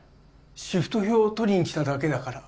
シフト表取りに来ただけだから。